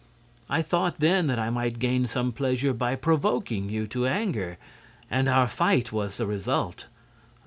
"I thought then that I might gain some pleasure by provoking you to anger; and our fight was the result.